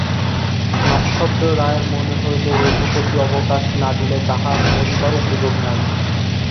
নক্ষত্ররায়ের মনে হইল, রঘুপতি অবকাশ না দিলে তাঁহার মরিবারও সুযোগ নাই।